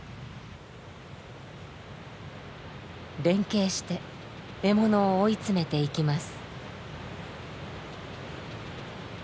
連携して獲物を追い詰めていきます。